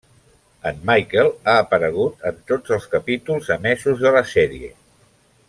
En Michael ha aparegut en tots els capítols emesos de la sèrie.